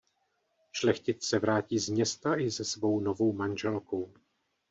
Šlechtic se vrátí z města i ze svou novou manželkou.